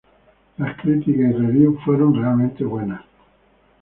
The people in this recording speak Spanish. La críticas y reviews fueron realmente buenas.